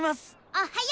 おっはよ！